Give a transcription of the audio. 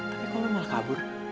tapi kalau malah kabur